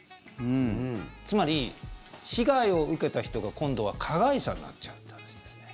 つまり、被害を受けた人が今度は加害者になっちゃうという話ですね。